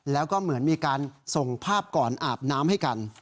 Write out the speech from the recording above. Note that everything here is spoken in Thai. แล้วก็เหมือนมีการส่งภาพก่อนอาบน้ำให้กัน